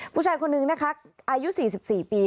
ผู้ชายคนนึงนะคะอายุ๔๔ปี